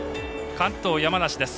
関東・山梨です。